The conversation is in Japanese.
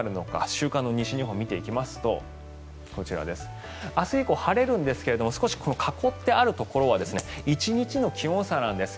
週間の西日本を見ていきますと明日以降、晴れるんですが少し囲ってあるところは１日の気温差なんです。